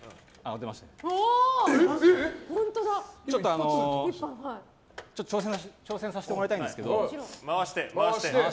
ちょっと挑戦させてもらいたいんですけど。